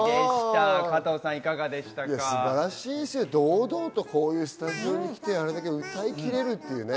堂々とこういうスタジオに来て、あれだけ歌いきれるっていうね。